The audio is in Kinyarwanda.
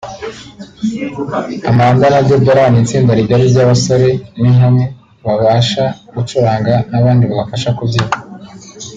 Amanda na Deborah n’itsinda rigari ry’abasore n’inkumi babafasha gucuranga n’abandi babafasha kubyina